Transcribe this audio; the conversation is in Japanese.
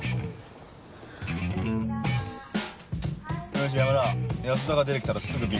よし山田安田が出て来たらすぐ尾行な。